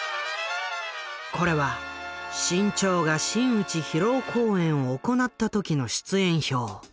これは志ん朝が真打ち披露公演を行った時の出演表。